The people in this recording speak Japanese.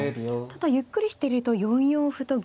ただゆっくりしてると４四歩と銀。